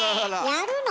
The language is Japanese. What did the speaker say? やるの？